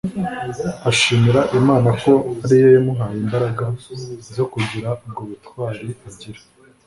ashimira imana ko ari yo yamuhaye imbaraga zo kugira ubwo butwari agira